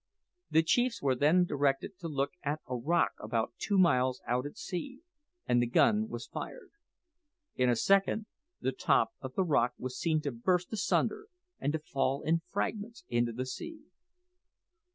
The chiefs were then directed to look at a rock about two miles out at sea, and the gun was fired. In a second the top of the rock was seen to burst asunder, and to fall in fragments into the sea.